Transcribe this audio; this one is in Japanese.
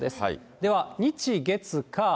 では日、月、火。